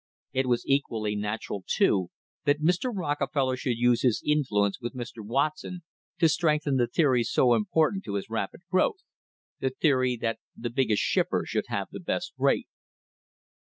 It was equally natural, too, that Mr. Rockefeller should use his influence with Mr. Watson to strengthen the theory so important to his rapid growth — the theory that the biggest shipper should have the best rate.